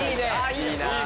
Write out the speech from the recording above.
いいな！